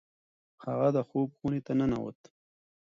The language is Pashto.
هغه د خوب خونې ته ننوت.